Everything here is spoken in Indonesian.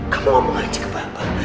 kamu ngomong aja ke bapak